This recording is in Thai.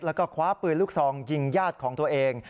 แล้วก็คว้าปืนลูกซองยิงญาติของตัวเอง